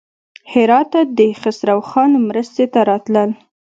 هراته د خسروخان مرستې ته راتلل.